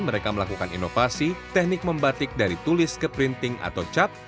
mereka melakukan inovasi teknik membatik dari tulis ke printing atau cap